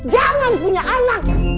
jangan punya anak